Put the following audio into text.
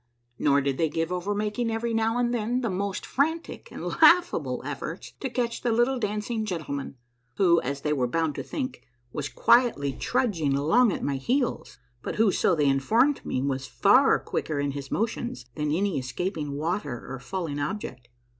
Nor did they give over making every now and then the most frantic and laughable efforts to catch the little dancing gentle man who, as they were bound to think, was quietly trudging along at my heels, but who, so they informed me, was far quicker in his motions than any escaping water or falling object.